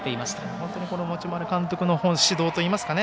本当に、持丸監督の指導といいますかね。